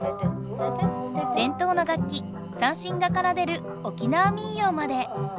伝統の楽器三線がかなでる沖縄民謡まで。